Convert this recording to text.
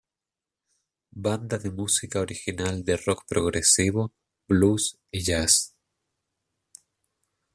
Banda de música original de rock progresivo, blues y jazz.